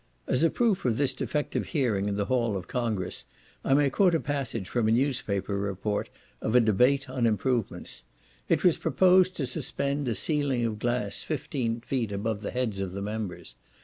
As a proof of this defective hearing in the Hall of Congress, I may quote a passage from a newspaper report of a debate on improvements. It was proposed to suspend a ceiling of glass fifteen feet above the heads of the members.